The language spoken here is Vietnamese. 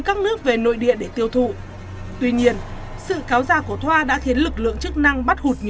các nước về nội địa để tiêu thụ tuy nhiên sự kéo ra của thoa đã khiến lực lượng chức năng bắt hụt